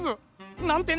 なんてね！